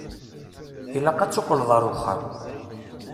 Ilaq ad teqqleḍ ar uxxam.